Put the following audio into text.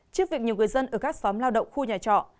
trước việc nhiều người dân ở các xóm lao động khu nhà trọ